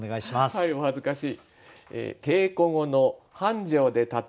はいお恥ずかしい。